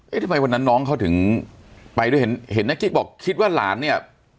ทำไมวันนั้นน้องเขาถึงไปด้วยเห็นนักกิ๊กบอกคิดว่าหลานเนี่ย